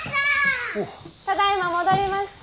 ただいま戻りました。